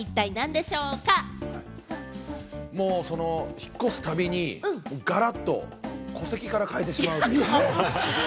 引っ越すたびに、ガラっと、戸籍から変えてしまう。